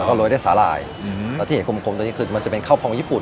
แล้วก็ล้อยได้สาหร่ายอืมแล้วที่เห็นกลมตัวนี้คือมันจะเป็นข้าวพร้อมญี่ปุ่น